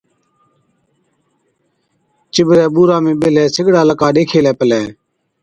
چِٻرَي ٻُورا ۾ ٻيهلَي سِگڙا لَڪا ڏيکي هِلَي پلَي۔